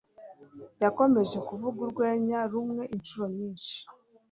Yakomeje kuvuga urwenya rumwe inshuro nyinshi.